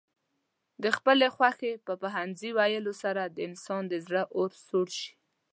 د خپلې خوښې په پوهنځي ويلو سره د انسان د زړه اور سوړ شي.